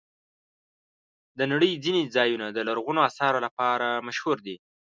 د نړۍ ځینې ځایونه د لرغونو آثارو لپاره مشهور دي.